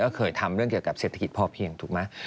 ก็เคยทำเรื่องเกี่ยวกับเศรษฐกิจพอเพียงถูกไหม